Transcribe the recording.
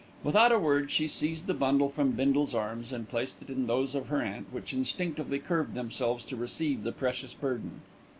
Without a word she seized the bundle from Bindle's arms and placed it in those of her aunt, which instinctively curved themselves to receive the precious burden.